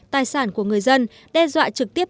tài sản của người dân đe dọa trực tiếp